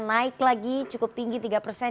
naik lagi cukup tinggi tiga persen